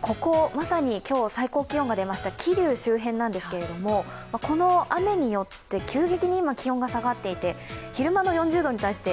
ここ、まさに今日、最高気温が出ました、桐生周辺なんですけどこの雨によって急激に今、気温が下がっていて、昼間の４０度に対して